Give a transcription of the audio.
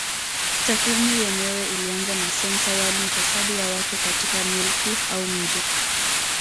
Takwimu yenyewe ilianza na sensa yaani hesabu ya watu katika milki au mji.